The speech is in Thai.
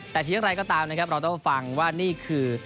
แต่ทียากรายก็ตามนะครับเราต้องฟังว่านี่คือ